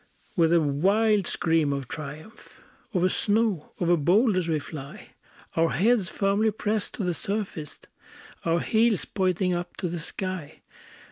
with a wild scream of triumph, Over snow, over boulders we fly, Our heads firmly pressed to the surface, Our heels pointing up to the sky!